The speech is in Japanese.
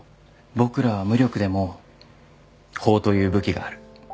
僕らは無力でも法という武器がある。